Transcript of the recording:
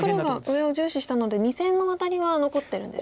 黒が上を重視したので２線のワタリは残ってるんですね。